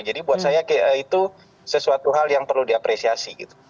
jadi buat saya itu sesuatu hal yang perlu diapresiasi gitu